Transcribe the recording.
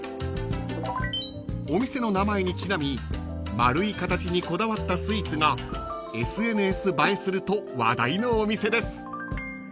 ［お店の名前にちなみ丸い形にこだわったスイーツがＳＮＳ映えすると話題のお店です］